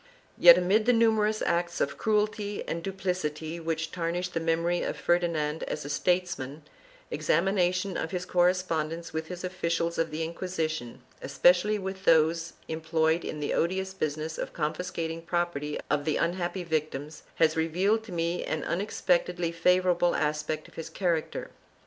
Yet amid the numerous acts of cruelty and duplicity which tarnish the memory of Ferdinand as a statesman, examination of his correspondence with his officials of the Inquisition, espe cially with those employed in the odious business of confiscating the property of the unhappy victims, has revealed to me an < unexpectedly favorable aspect of his character.